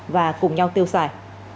và cùng nhau tiêu xài